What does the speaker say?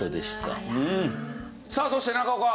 さあそして中岡。